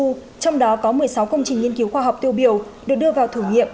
trong đó có một mươi sáu công trình nghiên cứu khoa học tiêu biểu được đưa vào thử nghiệm